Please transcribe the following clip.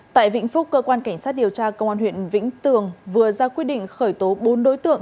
tại vĩnh phúc cơ quan cảnh sát điều tra công an huyện vĩnh tường vừa ra quyết định khởi tố bốn đối tượng